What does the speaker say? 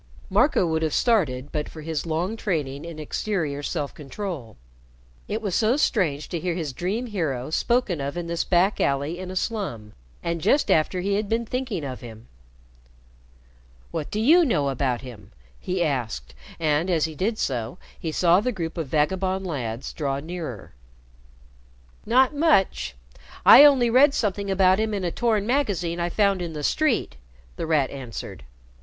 Marco would have started but for his long training in exterior self control. It was so strange to hear his dream hero spoken of in this back alley in a slum, and just after he had been thinking of him. "What do you know about him?" he asked, and, as he did so, he saw the group of vagabond lads draw nearer. "Not much. I only read something about him in a torn magazine I found in the street," The Rat answered.